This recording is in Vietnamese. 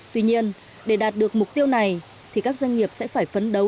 tuy nhiên để đạt được mục tiêu này thì các doanh nghiệp sẽ phải phấn đấu